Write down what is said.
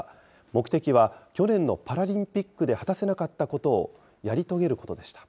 目的は、去年のパラリンピックで果たせなかったことを、やり遂げることでした。